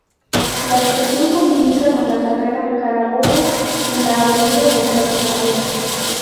La estación comunica con la Carrera Carabobo y la Avenida del Ferrocarril.